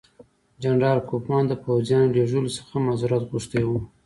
جنرال کوفمان د پوځیانو لېږلو څخه معذرت غوښتی وو.